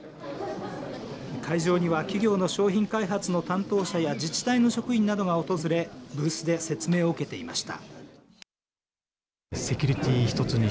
会場には、企業の商品開発の担当者や自治体の職員などが訪れブースで説明を受けていました。